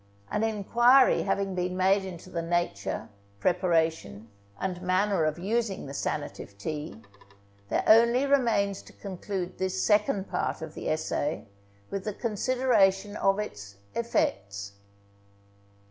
An enquiry having been made into the nature, preparation, and manner of using the sanative tea, there only remains to conclude this Second Part of the Essay with the consideration of its EFFECTS.